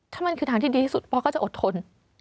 ถ้ามันคือทางที่ดีที่สุดพ่อก็จะอดทน